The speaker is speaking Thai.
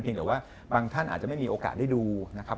แต่ว่าบางท่านอาจจะไม่มีโอกาสได้ดูนะครับ